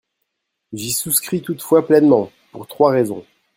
J’y souscris toutefois pleinement, pour trois raisons.